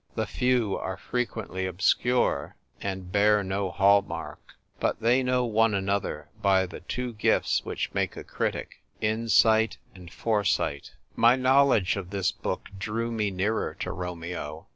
The few are frequently obscure, and bear no hall mark ; but they know one another by the two gifts which make a critic — insight and foresight. 1 TRY LITERATURE. 169 My knowledge of this book drew me nearer to Romeo.